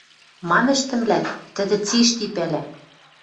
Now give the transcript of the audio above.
Мам ӹштӹмлӓ, тӹдӹ цишти пӓлӓ.